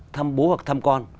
thăm bố hoặc thăm con